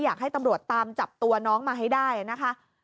อยากให้ตำรวจตามจับตัวน้องมาให้ได้นะคะ